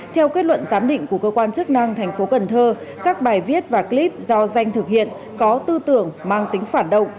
theo kết luận giám định của cơ quan chức năng tp cn các bài viết và clip do danh thực hiện có tư tưởng mang tính phản động